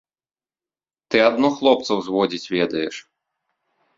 Ты адно хлопцаў зводзіць ведаеш!